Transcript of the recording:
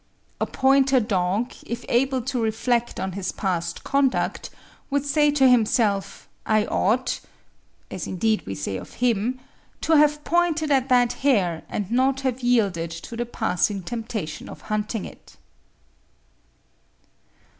A pointer dog, if able to reflect on his past conduct, would say to himself, I ought (as indeed we say of him) to have pointed at that hare and not have yielded to the passing temptation of hunting it.